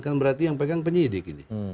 kan berarti yang pegang penyidik ini